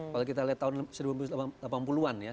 kalau kita lihat tahun seribu delapan ratus delapan puluh an ya